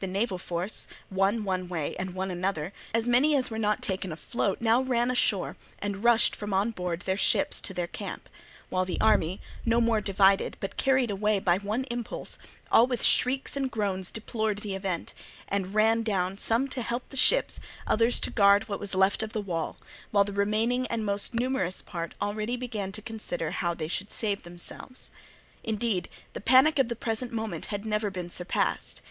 The naval force, one one way, one another, as many as were not taken afloat now ran ashore and rushed from on board their ships to their camp; while the army, no more divided, but carried away by one impulse, all with shrieks and groans deplored the event, and ran down, some to help the ships, others to guard what was left of their wall, while the remaining and most numerous part already began to consider how they should save themselves. Indeed, the panic of the present moment had never been surpassed.